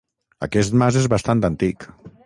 Aquest mas és bastant antic.